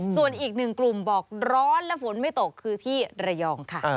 ส่วนอีกหนึ่งกลุ่มบอกร้อนและฝนไม่ตกคือที่ระยองค่ะ